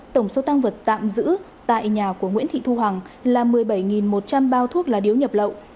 tổng số tăng vật tạm giữ tại nhà của nguyễn thị thu hằng là một mươi bảy một trăm linh bao thuốc lá điếu nhập lậu